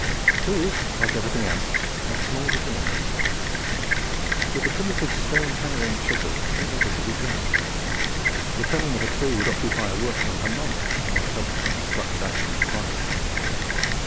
Tools, like everything else, had small beginnings. With the primitive stone hammer and chisel very little could be done. The felling of a tree would occupy a workman a month, unless helped by the destructive action of fire.